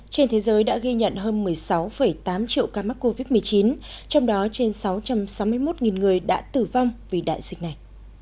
trên thế giới đã ghi nhận hơn một mươi sáu tám triệu ca mắc covid một mươi chín trong đó trên sáu trăm sáu mươi một người đã tử vong vì đại dịch này